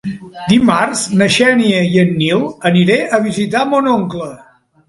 Dimarts na Xènia i en Nil aniré a visitar mon oncle.